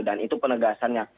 dan itu penegasannya